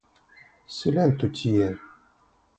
Silentu tie!